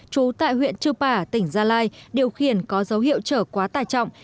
chú tại huyện trư bà tỉnh gia lai điều khiển có dấu hiệu trở quá tài trọng